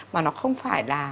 mà nó không phải là